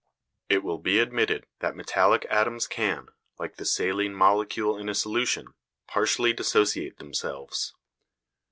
It will be admitted that metallic atoms can, like the saline molecule in a solution, partially dissociate themselves.